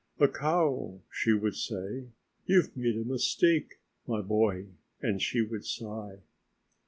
"A cow!" she would say; "you've made a mistake, my boy," and she would sigh.